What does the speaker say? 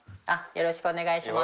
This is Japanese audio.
よろしくお願いします。